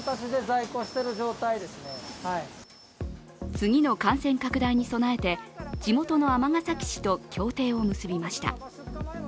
次の感染拡大に備えて地元の尼崎市と協定を結びました。